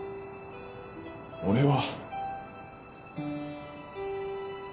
俺は。